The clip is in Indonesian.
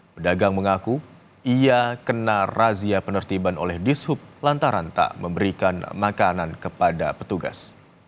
pedagang mengaku ia kena razia penertiban oleh dishub lantaran tak memberikan makanan kepada petugas